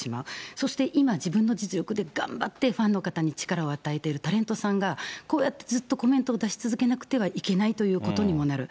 そして今、自分の実力で頑張ってファンの方に力を与えているタレントさんが、こうやってずっとコメントを出し続けなくてはいけないということにもなる。